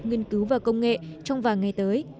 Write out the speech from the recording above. nghiên cứu và công nghệ trong vài ngày tới